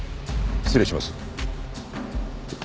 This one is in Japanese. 失礼します。